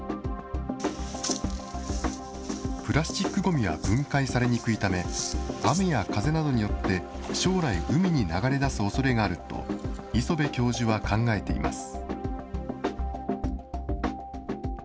プラスチックごみは分解されにくいため、雨や風などによって将来、海に流れ出すおそれがあると、磯辺教授は考えています。